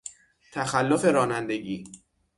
تخلف رانندگی